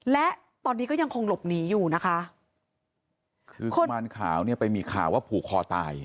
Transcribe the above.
และตอนนี้ก็ยังคงหลบหนีอยู่นะคะคือกุมารขาวเนี่ยไปมีข่าวว่าผูกคอตาย